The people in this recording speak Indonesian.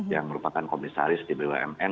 yang merupakan komisaris kbumn